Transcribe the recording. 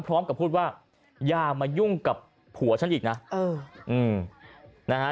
พร้อมกับพูดว่าอย่ามายุ่งกับผัวฉันอีกนะ